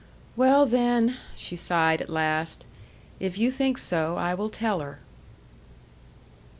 "Well, then," she sighed at last, "if you think so, I will tell her."